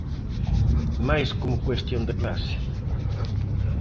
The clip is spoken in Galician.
Mais como cuestión de clase.